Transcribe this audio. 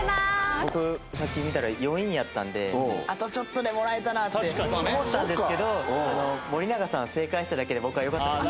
僕さっき見たら４位やったんであとちょっとでもらえたなって思ったんですけど森永さん正解しただけで僕はよかったです。